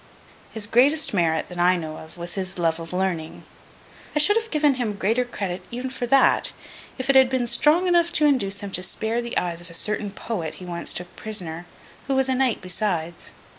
His greatest merit, that I know of, was his love of learning—I should have given him greater credit even for that, if it had been strong enough to induce him to spare the eyes of a certain poet he once took prisoner, who was a knight besides.